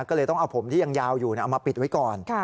ก็เลยต้องเอาผมที่ยังยาวอยู่เอามาปิดไว้ก่อน